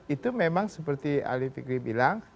itu memang seperti ali fikri bilang